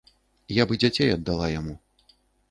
Я б і дзяцей аддала яму.